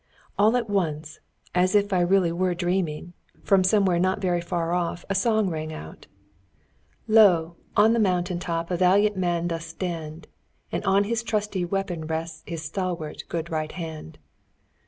All at once, as if I really were dreaming, from somewhere not very far off a song rang out: "Lo! on the mountain top A valiant man doth stand, And on his trusty weapon rests His stalwart good right hand."